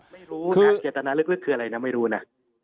ไม่รู้นะเจตนาลึกคืออะไรนะไม่รู้นะ